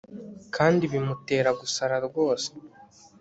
kandi bimutera gusara rwose